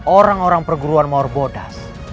orang orang perguruan mawar bodas